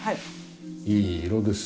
いい色です。